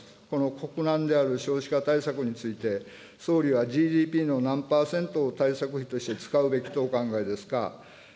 この国難である少子化対策について、総理はＧＤＰの何％を対策費として使うべきとお考えですか。